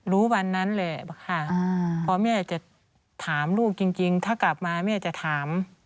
วันนั้นแหละค่ะพอแม่จะถามลูกจริงถ้ากลับมาแม่จะถาม